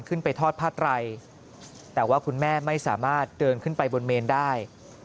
ขึ้นไปทอดผ้าไตรแต่ว่าคุณแม่ไม่สามารถเดินขึ้นไปบนเมนได้